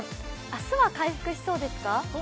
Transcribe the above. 明日は回復しそうですか？